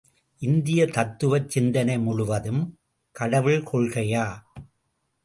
இந்தியத் தத்துவச் சிந்தனை முழுவதும் கடவுள் கொள்கையா?